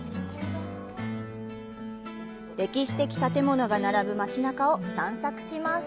歴史的建物が並ぶ街中を散策します。